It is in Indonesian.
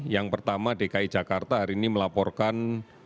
yang pertama dki jakarta hari ini melaporkan